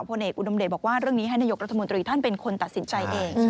เอกอุดมเดชบอกว่าเรื่องนี้ให้นายกรัฐมนตรีท่านเป็นคนตัดสินใจเอง